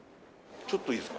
ちょっといいですか？